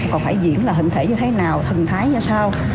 còn phải diễn là hình thể như thế nào thần thái như sao